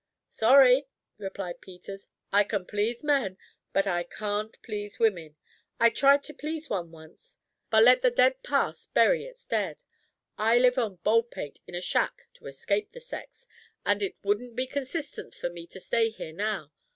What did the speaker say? "Sorry," replied Peters, "I can please men, but I can't please women. I tried to please one once but let the dead past bury its dead. I live on Baldpate in a shack to escape the sex, and it wouldn't be consistent for me to stay here now.